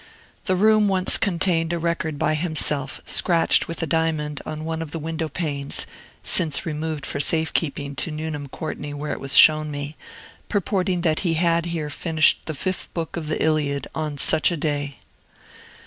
The room once contained a record by himself, scratched with a diamond on one of the window panes (since removed for safe keeping to Nuneham Courtney, where it was shown me), purporting that he had here finished the fifth book of the "Iliad" on such a day.